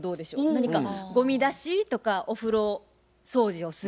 何かゴミ出しとかお風呂掃除をするとか。